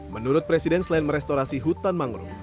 menurut presiden selain merestorasi hutan mangrove